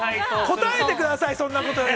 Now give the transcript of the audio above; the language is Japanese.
◆答えてください、そんなことより。